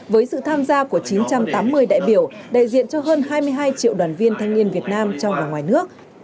với sự tham gia của chín trăm tám mươi đại biểu đại diện cho hơn hai mươi hai triệu đoàn viên thanh niên việt nam trong và ngoài nước